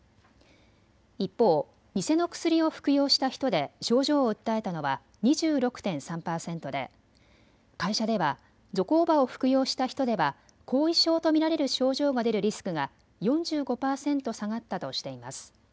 一方、偽の薬を服用した人で症状を訴えたのは２６．３％で、会社ではゾコーバを服用した人では後遺症と見られる症状が出るリスクが４５％下がったとしています。